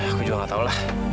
aku juga gak tau lah